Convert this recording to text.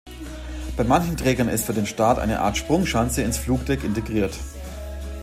Bei manchen Trägern ist für den Start eine Art Sprungschanze ins Flugdeck integriert.